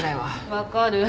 分かる。